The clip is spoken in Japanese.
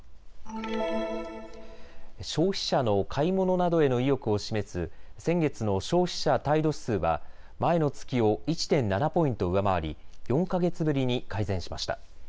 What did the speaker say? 消費者の買い物などへの意欲を示す先月の消費者態度指数は前の月を１．７ポイント上回り４か月ぶりに改善しました。